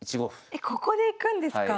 えっここでいくんですか？